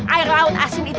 air laut asin itu